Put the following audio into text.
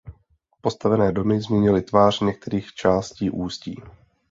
Postavené domy změnily tvář některých částí Ústí.